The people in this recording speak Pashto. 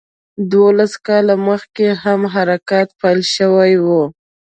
دولس سوه کاله مخکې هم حرکت پیل شوی و.